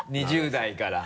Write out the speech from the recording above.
２０代から。